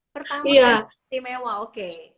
pertama yang teristimewa oke